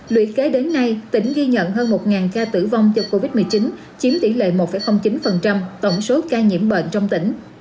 lũy kế đến nay tỉnh ghi nhận hơn một ca tử vong do covid một mươi chín chiếm tỷ lệ một chín tổng số ca nhiễm bệnh trong tỉnh